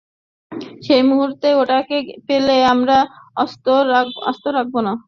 সেইমুহূর্তে ওটাকে পেলে আর আস্ত রাখতাম না।